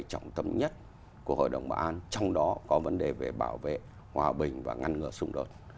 trọng tâm nhất của hội đồng bà an trong đó có vấn đề về bảo vệ hòa bình và ngăn ngừa xung đột